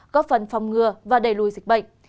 có phần phòng ngừa và đầy lùi dịch bệnh